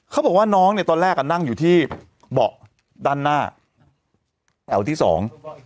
เขาบอกว่าน้องเนี่ยตอนแรกอ่ะนั่งอยู่ที่เบาะด้านหน้าแอ๋วที่สอง